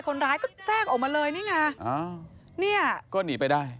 คนร้ายก็แทรกออกมาเลยนี่ไงอ้าวเนี่ยก็หนีไปได้